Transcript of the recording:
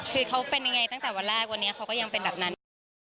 คือเขาเป็นยังไงตั้งแต่วันแรกวันนี้เขาก็ยังเป็นแบบนั้นอยู่